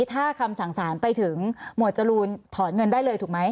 ถ้าคำสั่งสารไปถึงหมวดจรูนถอนเงินได้เลยถูกไหม